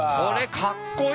かっこいい！